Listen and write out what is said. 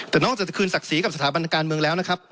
แต่นอกจากจะคืนศักดิ์ศรีกับสถาบันการเมืองแล้วนะครับ